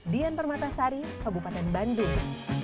dian permatasari kabupaten bandung